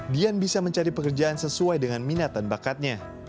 dian bisa mencari pekerjaan sesuai dengan minat dan bakatnya